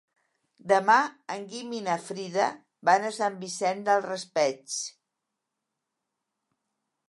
Demà en Guim i na Frida van a Sant Vicent del Raspeig.